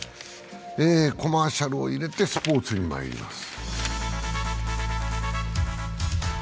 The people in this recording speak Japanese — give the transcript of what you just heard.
コマーシャルを入れてスポーツにまいります。